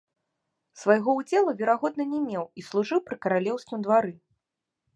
Свайго ўдзелу, верагодна, не меў і служыў пры каралеўскім двары.